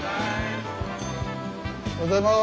おはようございます。